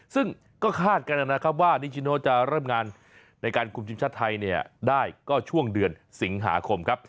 ซึ่งก็คาดกันนะครับว่านิชิโนจะเริ่มงานในการคุมทีมชาติไทยเนี่ยได้ก็ช่วงเดือนสิงหาคมครับ